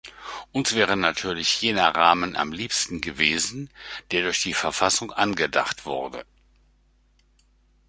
Uns wäre natürlich jener Rahmen am liebsten gewesen, der durch die Verfassung angedacht wurde.